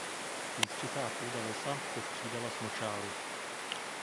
Písčitá půda lesa se střídala s močály.